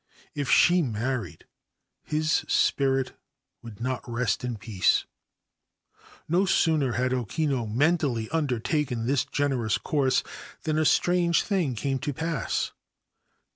If she married, his spirit would not rest in peace. No sooner had O Kinu mentally undertaken this generous course than a strange thing came to pass.